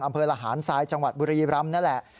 อำเภอระหารทรายจังหวัดบุรีรำนั่นแหละ